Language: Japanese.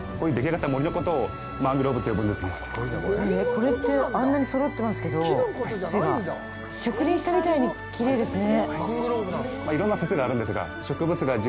これってあんなにそろってますけど、背が植林したみたいにきれいですね。